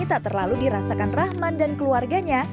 tak terlalu dirasakan rahman dan keluarganya